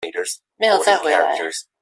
沒有再回來